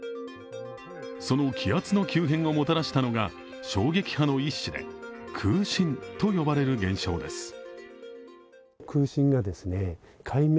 その気圧の急変をもたらしたのが衝撃はの一種で空振と呼ばれる現象です。